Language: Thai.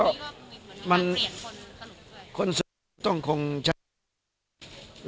ภาพรวมของทางฝ่ายทางวันสุดท้ายเนี้ยมันจะตรงจุดไหมคะพี่สุดยอด